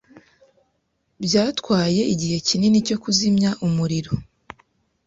Byatwaye igihe kinini cyo kuzimya umuriro.